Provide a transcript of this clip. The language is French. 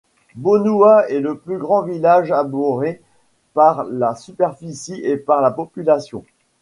Bonoua est le plus grand village abouré par la superficie et par la population.